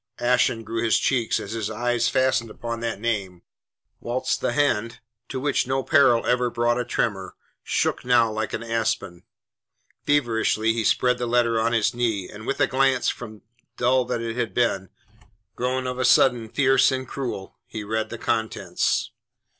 Ashen grew his cheeks as his eyes fastened upon that name, whilst the hand, to which no peril ever brought a tremor, shook now like an aspen. Feverishly he spread the letter on his knee, and with a glance, from dull that it had been, grown of a sudden fierce and cruel, he read the contents.